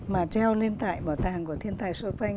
mà treo lên tại bảo tàng của thiên tài chopin